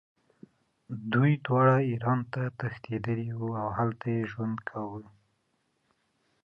دوی دواړه ایران ته تښتېدلي وو او هلته یې ژوند کاوه.